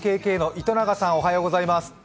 ＲＫＫの糸永さん、おはようございます。